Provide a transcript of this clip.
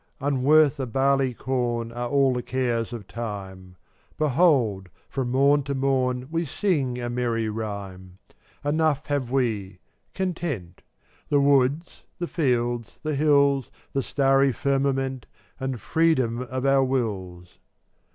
427 Unworth a barley corn Are all the cares of time, Behold, from morn to morn We sing a merry rhyme. Enough have we — content; The woods, the fields, the hills, The starry firmament, And freedom of our wills.